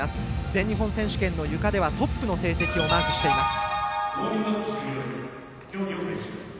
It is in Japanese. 全日本選手権のゆかではトップの成績をマークしています。